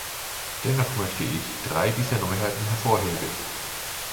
Dennoch möchte ich drei dieser Neuheiten hervorheben.